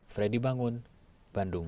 fredy bangun bandung